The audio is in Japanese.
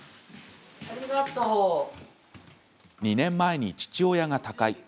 ２年前に父親が他界。